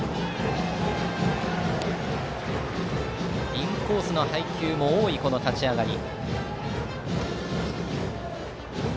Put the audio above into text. インコースの配球も多い立ち上がり。